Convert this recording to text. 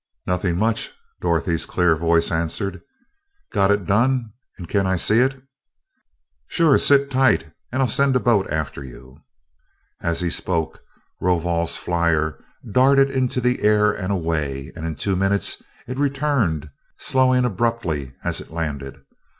"Nothing much," Dorothy's clear voice answered. "Got it done and can I see it?" "Sure sit tight and I'll send a boat after you." As he spoke, Rovol's flier darted into the air and away; and in two minutes it returned, slowing abruptly as it landed.